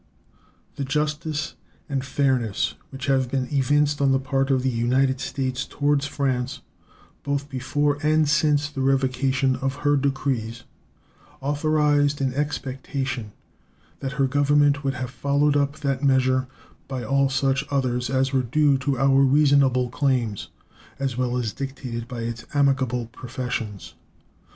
The justice and fairness which have been evinced on the part of the United States toward France, both before and since the revocation of her decrees, authorized an expectation that her Government would have followed up that measure by all such others as were due to our reasonable claims, as well as dictated by its amicable professions.